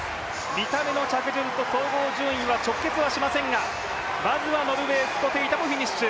見た目の着順と総合順位は直結はしませんが、まずはノルウェーがフィニッシュ。